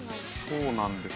そうなんですよね。